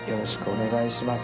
お願いします。